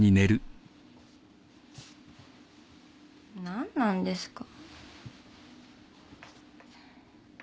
何なんですか？